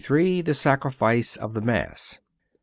THE SACRIFICE OF THE MASS.